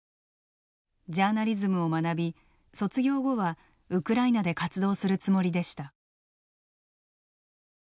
ジャーナリズムを学び卒業後はウクライナで活動するつもりでした。